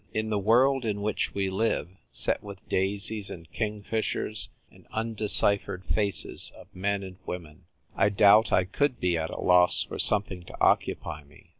In the world in which we live, set with daisies and kingfishers and unde ciphered faces of men and women, I doubt I could be at a loss for something to occupy me.